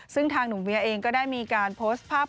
ซึ่งทางหนุ่มเวียเองก็ได้มีการโพสต์ภาพ